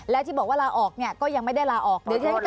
และที่บอกว่าลาออกเนี่ยก็ยังไม่ได้ลาออก